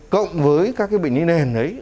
cộng với các bệnh lý nền ấy